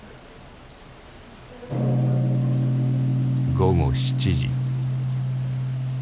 午後７時。